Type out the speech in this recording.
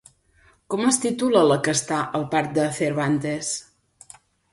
Com es titula la que està al Parc de Cervantes?